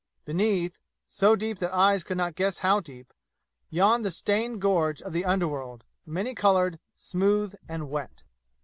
Beneath, so deep that eyes could not guess how deep, yawned the stained gorge of the underworld, many colored, smooth and wet.